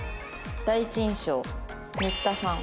「第一印象新田さん」。